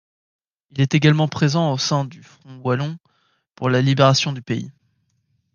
Il est également présent au sein du Front wallon pour la libération du pays.